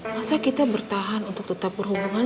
masa kita bertahan untuk tetap berhubungan